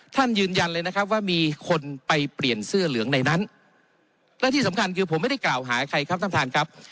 ยืนยันเลยนะครับว่ามีคนไปเปลี่ยนเสื้อเหลืองในนั้นและที่สำคัญคือผมไม่ได้กล่าวหาใครครับท่านท่านครับ